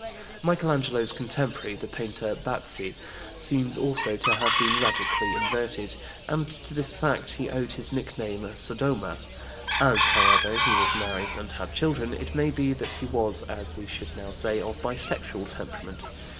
Michelangelo's contemporary, the painter Bazzi (1477 1549), seems also to have been radically inverted, and to this fact he owed his nickname Sodoma. As, however, he was married and had children, it may be that he was, as we should now say, of bisexual temperament.